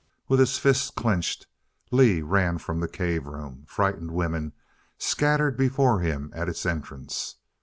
With his fists clenched, Lee ran from the cave room. Frightened women scattered before him at its entrance.